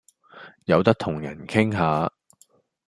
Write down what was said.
有得同人傾下